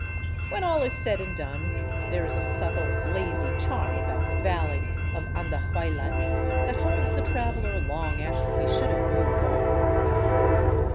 j When all is said and done, there is a subtle, lazy charm about the ' valley of Andahuaylas that holds the traveler long after he should have moved on.